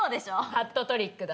ハットトリックだ。